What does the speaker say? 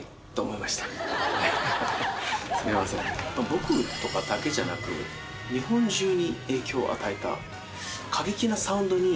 僕とかだけじゃなく日本中に影響を与えた。